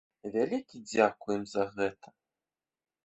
Вялікі дзякуй ім за гэта.